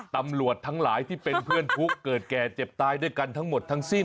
ตำรวจทั้งหลายที่เป็นเพื่อนทุกข์เกิดแก่เจ็บตายด้วยกันทั้งหมดทั้งสิ้น